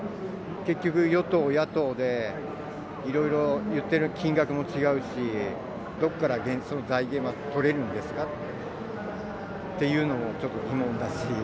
結局、与党、野党でいろいろいってる金額も違うし、どこからその財源は取れるんですかっていうのもちょっと疑問だし。